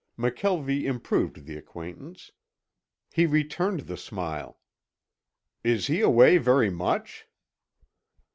McKelvie improved the acquaintance. He returned the smile. "Is he away very much?"